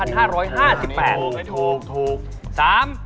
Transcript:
ถูก